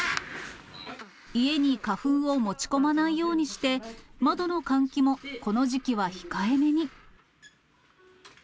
家に花粉を持ち込まないようにして、窓の換気もこの時期は控えめに。